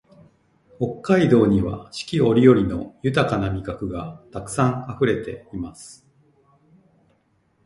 北海道には四季折々の豊な味覚がたくさんあふれています